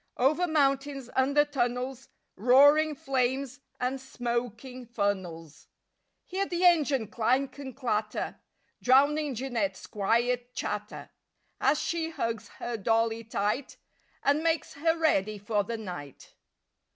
Over mountains, under tunnels, Roaring flames and smoking funnels— Hear the engine clank and clatter! Drowning Jeanette's quiet chatter As she hugs her dolly tight And makes her ready for the night.